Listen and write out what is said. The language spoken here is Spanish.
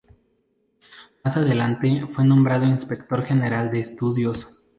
Más adelante fue nombrado inspector general de estudios.